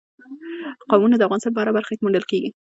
قومونه د افغانستان په هره برخه کې موندل کېږي.